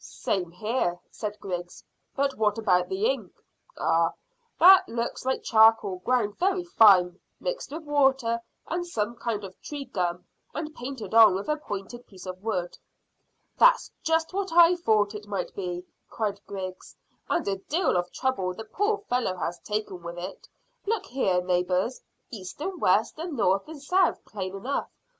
"Same here," said Griggs; "but what about the ink?" "Ah, that looks like charcoal ground very fine, mixed with water and some kind of tree gum, and painted on with a pointed piece of wood." "That's just what I thought it might be," cried Griggs, "and a deal of trouble the poor fellow has taken with it. Look here, neighbours, east and west and north and south plain enough.